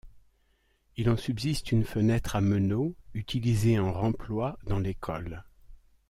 Il en subsiste une fenêtre à meneaux utilisée en remploi dans l'école.